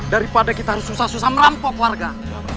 daripada kita harus susah susah merampok warga